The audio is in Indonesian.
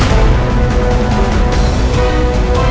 selamat siang putri